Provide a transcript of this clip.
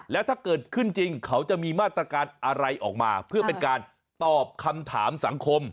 แล้วถ้าเกิดขึ้นจริงเขาจะมีมาตรการอะไรออกมาเพื่อเป็นการตอบคำถามสังคม